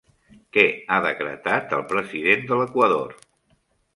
Què ha decretat el president de l'Equador?